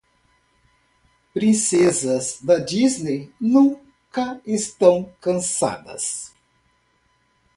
Princesas da Disney nunca estão cansadas.